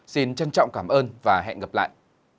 xin trân trọng cảm ơn và hẹn gặp lại